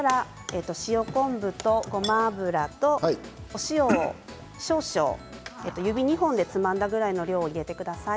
それから塩昆布とごま油とお塩を少々指２本でつまんだくらいの量入れてください。